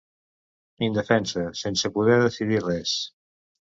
Indefensa, sense poder decidir res.